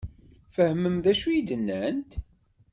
Tefhem d acu i d-nnant?